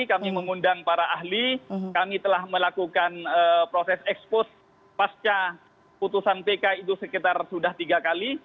kami mengundang para ahli kami telah melakukan proses ekspos pasca putusan pk itu sekitar sudah tiga kali